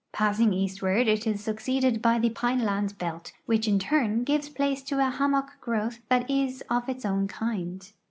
Pa.ssing eastward it is succeeded by the })ine land belt, which in turn gives place to a hammock growth that is of its own kind.